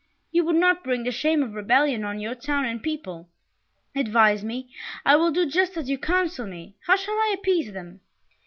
"You would not bring the shame of rebellion on your town and people. Advise me I will do just as you counsel me how shall I appease them?"